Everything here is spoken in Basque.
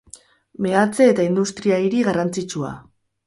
Meatze eta industria hiri garrantzitsua.